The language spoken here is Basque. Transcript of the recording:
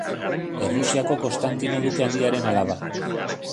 Errusiako Konstantino duke handiaren alaba.